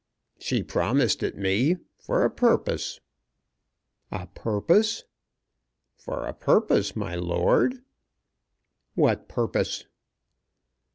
"She promised it me, for a purpose." "A purpose!" "For a purpose, my lord." "What purpose?"